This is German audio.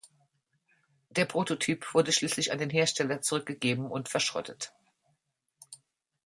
Der Prototyp wurde schließlich an den Hersteller zurückgegeben und verschrottet.